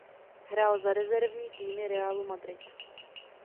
Hrál za rezervní týmy Realu Madrid.